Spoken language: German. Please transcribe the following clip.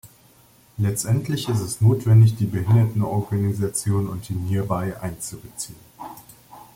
Letztendlich ist es notwendig, die Behindertenorganisationen und die Nhierbei einzubeziehen.